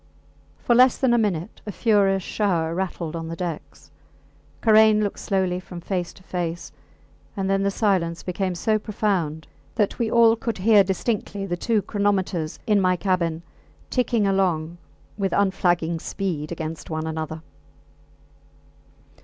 For less than a minute a furious shower rattled on the decks. Karain looked slowly from face to face, and then the silence became so profound that we all could hear distinctly the two chronometers in my cabin ticking along with unflagging speed against one another.